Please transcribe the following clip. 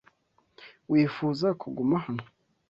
Wifuza kuguma hano?